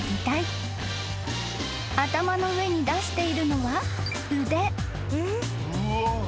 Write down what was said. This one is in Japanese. ［頭の上に出しているのは腕］